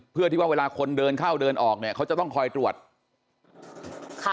เพื่อที่ว่าเวลาคนเดินเข้าเดินออกเนี่ยเขาจะต้องคอยตรวจค่ะ